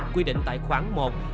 quy định tại khoảng một năm mươi một